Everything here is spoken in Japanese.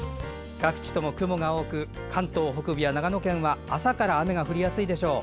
各地とも雲が多く関東北部や長野県は朝から雨が降りやすいでしょう。